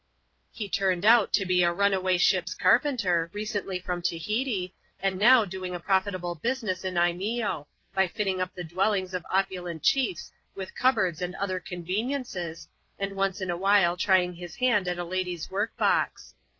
He turned out to be a runaway ship's carpenter, re cently from Tahiti, and now doing a profitable busini^ss in Imeeo, by fitting up the dwellings of opulent chiefs with cup boards and other conveniences, and once in a while trying his hand at a lady's work box.